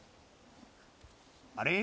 あれ？